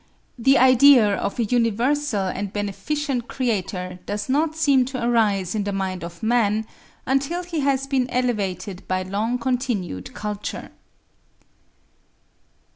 The idea of a universal and beneficent Creator does not seem to arise in the mind of man, until he has been elevated by long continued culture.